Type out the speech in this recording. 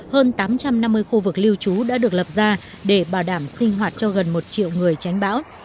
hơn tám trăm năm mươi khu vực lưu trú đã được lập ra để bảo đảm sinh hoạt cho gần một triệu người tránh bão